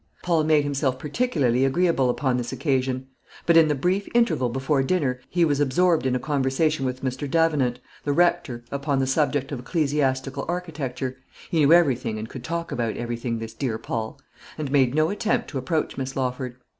Paul made himself particularly agreeable upon this occasion; but in the brief interval before dinner he was absorbed in a conversation with Mr. Davenant, the rector, upon the subject of ecclesiastical architecture, he knew everything, and could talk about everything, this dear Paul, and made no attempt to approach Miss Lawford.